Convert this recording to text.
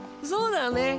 そそうだね。